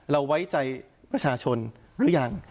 เราไว้ใจประชาชนหรือยัง